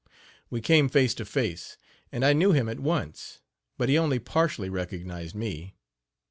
We came face to face, and I knew him at once, but he only partially recognized me.